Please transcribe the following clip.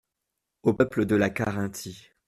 Au peuple de la Carinthie.